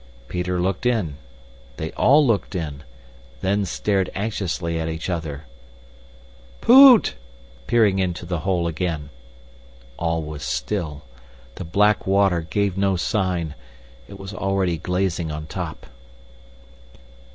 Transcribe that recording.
Peter looked in. They all looked in; then stared anxiously at each other. "Poot!" screamed Peter, peering into the hole again. All was still. The black water gave no sign; it was already glazing on top.